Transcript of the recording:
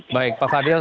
baik pak fadil